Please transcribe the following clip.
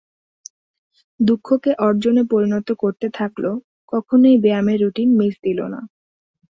দুঃখকে অর্জনে পরিণত করতে থাকল, কখনোই ব্যয়ামের রুটিন মিস দিল না।